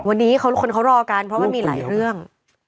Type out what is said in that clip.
วันนี้คนเขารอกันเพราะมันมีหลายเรื่อง